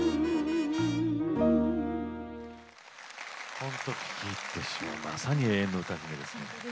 ほんと聞き入ってしまうまさに永遠の歌姫ですね。